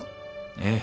ええ。